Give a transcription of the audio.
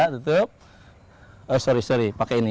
tutup pakai ini